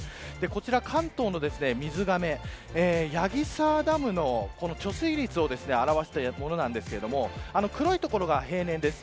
こちら関東の水がめ矢木沢ダムの貯水率を表したものなんですが黒い所が平年です。